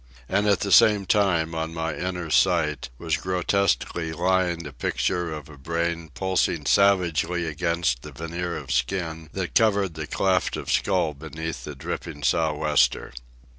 And at the same time, on my inner sight, was grotesquely limned a picture of a brain pulsing savagely against the veneer of skin that covered that cleft of skull beneath the dripping sou' wester.